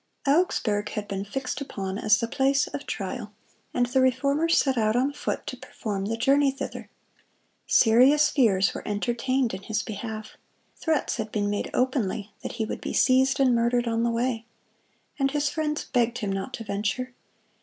Augsburg had been fixed upon as the place of trial, and the Reformer set out on foot to perform the journey thither. Serious fears were entertained in his behalf. Threats had been made openly that he would be seized and murdered on the way, and his friends begged him not to venture.